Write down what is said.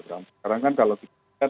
sekarang kan kalau diket